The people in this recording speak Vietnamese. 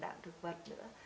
đạm thực vật nữa